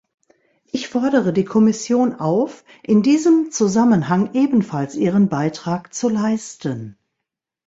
Ich fordere die Kommission auf, in diesem Zusammenhang ebenfalls ihren Beitrag zu leisten.